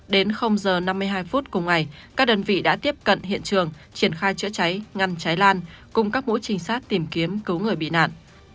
đến giờ năm mươi hai phút cùng ngày các đơn vị đã tiếp cận hiện trường triển khai chữa cháy ngăn cháy lan cùng các mũi trinh sát tìm kiếm cứu người bị nạn